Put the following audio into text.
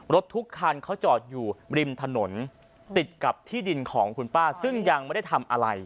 รถทุกคันเขาจอดอยู่ริมถนนติดกับที่ดินของคุณป้าซึ่งยังไม่ได้ทำอะไร